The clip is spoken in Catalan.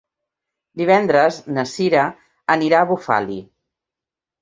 Divendres na Cira anirà a Bufali.